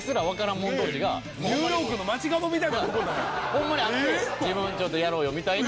ホンマにあって「自分ちょっとやろうよ」みたいな。